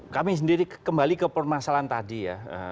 kami sendiri kembali ke permasalahan tadi ya